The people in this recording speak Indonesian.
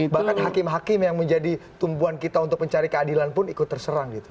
bahkan hakim hakim yang menjadi tumbuhan kita untuk mencari keadilan pun ikut terserang gitu